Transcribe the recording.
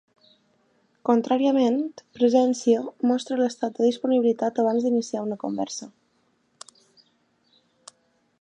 Contràriament, Presència mostra l'estat de disponibilitat abans d'iniciar una conversa.